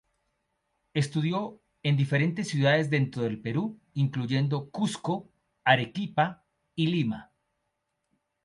Estudió en diferentes ciudades dentro del Perú, incluyendo Cusco, Arequipa y Lima.